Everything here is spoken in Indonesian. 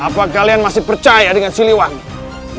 apa kalian masih percaya dengan siliwangi